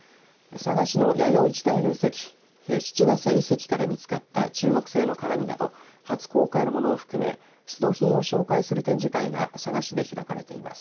佐賀市の弥生時代の遺跡七ヶ瀬遺跡から見つかった中国製の鏡など初公開のものを含め出土品を紹介する展示会が佐賀市で開かれています。